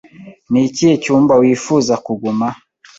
Ni ikihe cyumba wifuza kuguma?